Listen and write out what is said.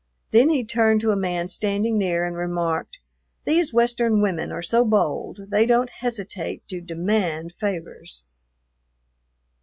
Then he turned to a man standing near and remarked, "These Western women are so bold they don't hesitate to demand favors."